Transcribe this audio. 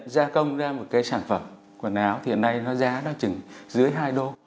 gia công ra một cái sản phẩm quần áo thì hiện nay nó giá nó chừng dưới hai đô